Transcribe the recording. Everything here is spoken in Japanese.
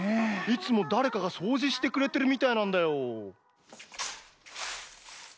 いつもだれかがそうじしてくれてるみたいなんだよ。